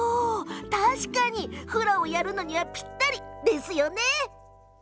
確かにフラをやるにはぴったりですよね！